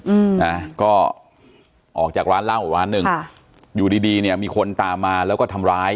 อืมนะก็ออกจากร้านเหล้าอีกร้านหนึ่งค่ะอยู่ดีดีเนี้ยมีคนตามมาแล้วก็ทำร้าย